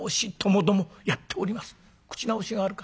「口直しがあるか。